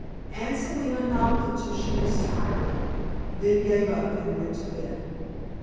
Aunt Selina knocked until she was tired, then gave up and went to bed.